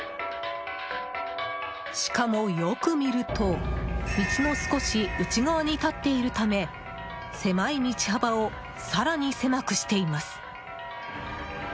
しかも、よく見ると道の少し内側に立っているため狭い道幅を更に狭くしています。